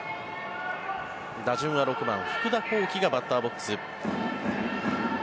打順は６番、福田光輝がバッターボックス。